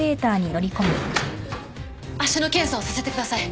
脚の検査をさせてください。